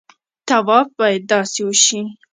طواف باید داسې وشي.